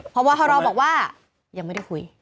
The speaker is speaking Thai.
เพราะว่าเขารอบอกว่ายังไม่ได้คุย